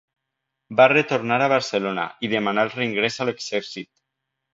Va retornar a Barcelona i demanà el reingrés a l'exèrcit.